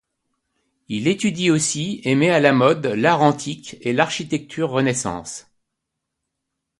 Il étudie aussi et met à la mode l'art antique et l'architecture Renaissance.